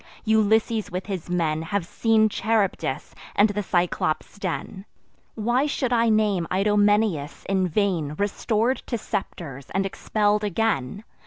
Ulysses with his men Have seen Charybdis and the Cyclops' den. Why should I name Idomeneus, in vain Restor'd to scepters, and expell'd again?